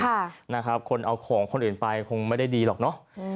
ค่ะนะครับคนเอาของคนอื่นไปคงไม่ได้ดีหรอกเนอะอืม